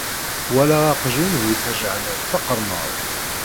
Walaɣ aqjun bu tajeḥniḍt taqeṛmaḍt.